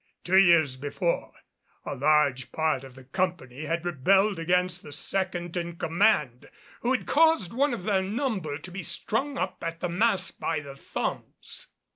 Two years before, a large part of the company had rebelled against the second in command, who had caused one of their number to be strung up at the mast by the thumbs.